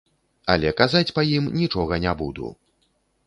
Але казаць па ім нічога не буду.